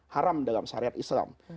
haram dalam syariat islam